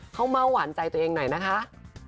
เขาเม้าหวานใจตัวเองหน่อยนะคะ